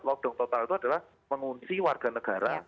lockdown total itu adalah mengunci warga negara